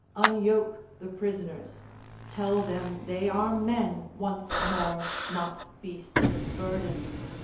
Unyoke the prisoners: tell them they are men Once more, not beasts of burden.